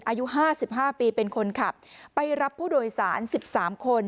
อายุ๕๕ปีเป็นคนขับไปรับผู้โดยสาร๑๓คน